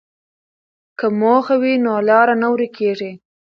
که موخه وي نو لاره نه ورکېږي.